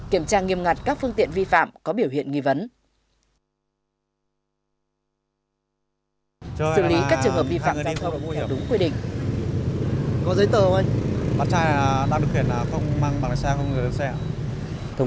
kiểm tra nghiêm ngặt các phương tiện vi phạm có biểu hiện nghi vấn